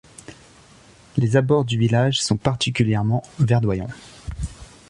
Les abords du village sont particulièrement verdoyants.